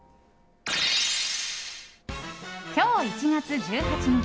今日、１月１８日。